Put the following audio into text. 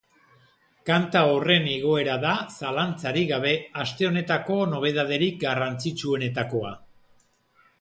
Kanta horren igoera da, zalantzarik gabe, aste honetako nobebaderik garrantzitsuenetakoa.